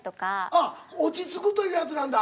あっ落ち着くというやつなんだ。